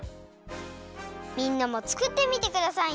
みんなもつくってみてくださいね。